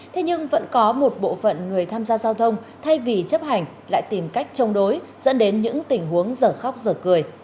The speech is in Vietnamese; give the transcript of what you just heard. thế nhưng vẫn có một bộ phận người tham gia giao thông thay vì chấp hành lại tìm cách chống đối dẫn đến những tình huống dở khóc giờ cười